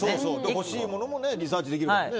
欲しいものもリサーチできるから。